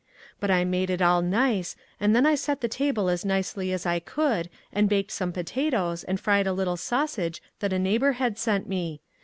But I made it all nice, and then I set the table as nicely as I could, and baked some potatoes and fried a little sausage that a neighbor had sent me.